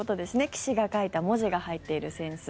棋士が書いた文字が入っている扇子。